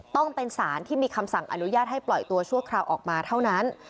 ต้องเป็นสารที่มีคำสั่งอนุญาตให้ปล่อยตัวชั่วคราวออกมาเท่านั้น